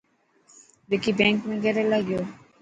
وڪي بينڪ ۾ ڪيريلا گيو؟